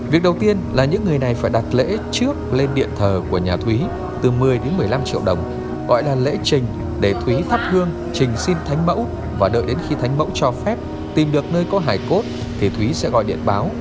việc đầu tiên là những người này phải đặt lễ trước lên điện thờ của nhà thúy từ một mươi đến một mươi năm triệu đồng gọi là lễ trình để thúy thắp hương trình xin thánh mẫu và đợi đến khi thánh mẫu cho phép tìm được nơi có hải cốt thì thúy sẽ gọi điện báo